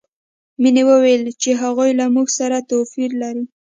مینې وویل چې هغوی له موږ سره توپیر لري